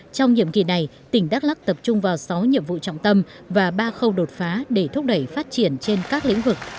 trong nhiệm kỳ này tỉnh đắk lắc tập trung vào sáu nhiệm vụ trọng tâm và ba khâu đột phá để thúc đẩy phát triển trên các lĩnh vực